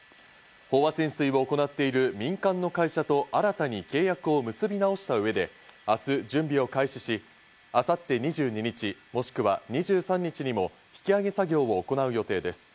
飽和潜水を行っている民間の会社と新たに契約を結び直した上で、明日準備を開始し、明後日２２日、もしくは２３日にも引き揚げ作業を行う予定です。